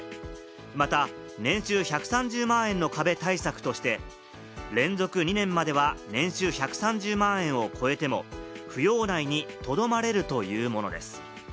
また年収１３０万円の壁対策として、連続２年までは年収１３０万円を超えても、扶養内にとどまれるというものです。